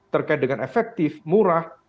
terkait dengan efektif murah